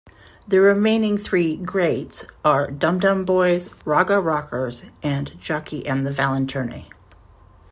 The remaining three "Greats" are DumDum Boys, Raga Rockers and Jokke and Valentinerne.